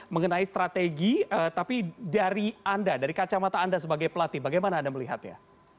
mengenai strategi tapi dari anda dari kacamata anda sebagai pelatih bagaimana anda melihatnya